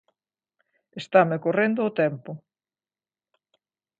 Estame correndo o tempo.